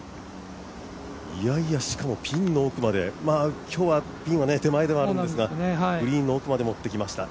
しかもピンの奥まで、今日はピンは手前ではあるんですがグリーンの奥まで持ってきました。